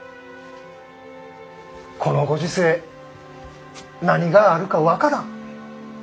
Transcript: このご時世何があるか分からん。